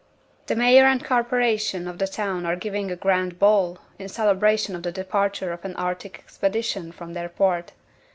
The Mayor and Corporation of the town are giving a grand ball, in celebration of the departure of an Arctic expedition from their port.